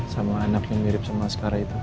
sama anak yang mirip sama sekarang itu